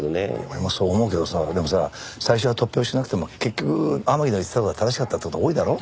俺もそう思うけどさでもさ最初は突拍子なくても結局天樹の言ってた事が正しかったって事が多いだろ？